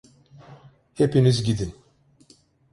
Hepiniz gidin.